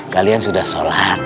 kalian sudah sholat